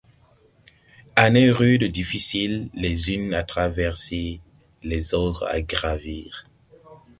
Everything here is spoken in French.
Années rudes; difficiles, les unes à traverser, les autres à gravir.